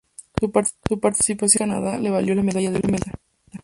Su participación en el Skate Canada le valió la medalla de plata.